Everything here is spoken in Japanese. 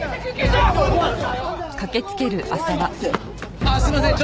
ああすいません。